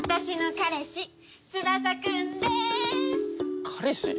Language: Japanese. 彼氏？